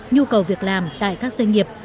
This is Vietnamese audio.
nhu cầu việc làm tại các doanh nghiệp